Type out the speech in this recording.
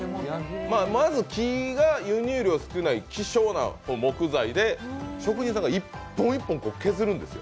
まず、木が輸入量少ない希少な木材で職人さんが一本一本、削るんですよ。